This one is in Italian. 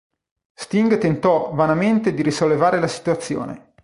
Sting tentò vanamente di risollevare la situazione.